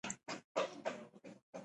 د مچلغو د اوبو بند کارونه نيمګړي پاتې دي